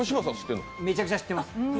めちゃくちゃ知ってます。